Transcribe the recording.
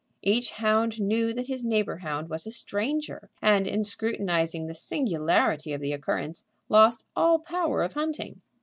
Each hound knew that his neighbor hound was a stranger, and, in scrutinizing the singularity of the occurrence, lost all the power of hunting.